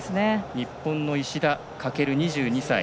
日本の石田駆、２２歳。